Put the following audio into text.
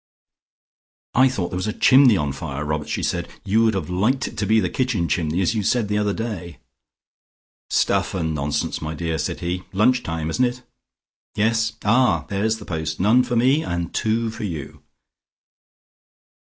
"I thought there was a chimney on fire, Robert," she said. "You would have liked it to be the kitchen chimney as you said the other day." "Stuff and nonsense, my dear," said he. "Lunch time, isn't it?" "Yes. Ah, there's the post. None for me, and two for you."